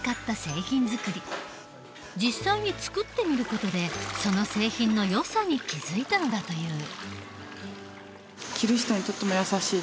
実際に作ってみる事でその製品のよさに気付いたのだという。